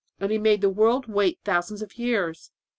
And He made the world wait thousands of years!